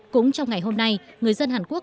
cũng trong ngày hôm nay người dân hàn quốc